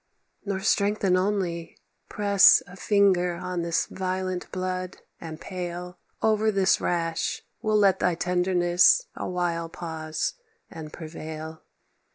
"Nor strengthen only; press A finger on this violent blood and pale, Over this rash will let thy tenderness A while pause, and prevail.